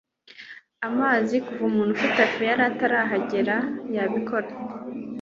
amazi kuva umuntu ufite ifu yari atarahagera. yabikora